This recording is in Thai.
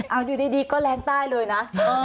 เอาอยู่ดีก็รางด้ายเลยนะ